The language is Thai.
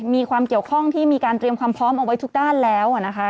มีความเกี่ยวข้องที่มีการเตรียมความพร้อมเอาไว้ทุกด้านแล้ว